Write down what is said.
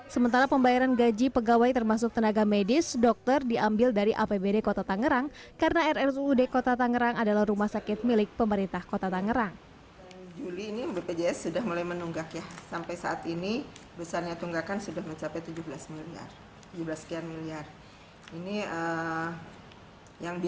sementara pembayaran gaji pegawai termasuk tenaga medis dokter diambil dari apbd kota tangerang karena rrud kota tangerang adalah rumah sakit milik pemerintah kota tangerang